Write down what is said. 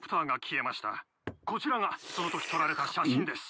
こちらがそのとき撮られた写真です。